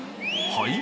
はい？